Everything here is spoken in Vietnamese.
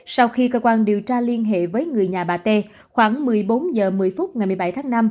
sau khi cơ quan điều tra liên hệ với người nhà bà tê khoảng một mươi bốn h một mươi phút ngày một mươi bảy tháng năm